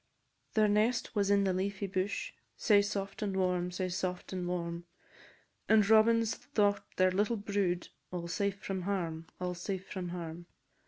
"_ Their nest was in the leafy bush, Sae soft and warm, sae soft and warm, And Robins thought their little brood All safe from harm, all safe from harm.